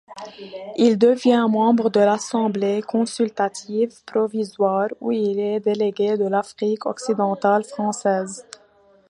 Il devient membre de l'Assemblée consultative provisoire où il est délégué de l'Afrique-Occidentale française.